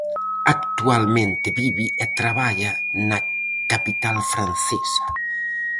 Actualmente vive e traballa na capital francesa.